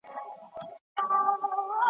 تللی به قاصد وي یو پیغام به یې لیکلی وي .